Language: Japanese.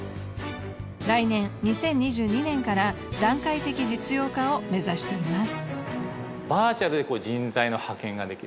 来年２０２２年から段階的実用化を目指しています。